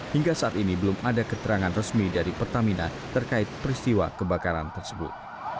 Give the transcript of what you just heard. hingga saat ini belum ada keterangan resmi dari pertamina terkait peristiwa kebakaran tersebut